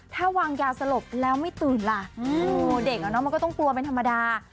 ถ้าวางยาสลบแล้วไม่ตื่นล่ะเด็กมันก็ต้องกลัวเป็นธรรมดา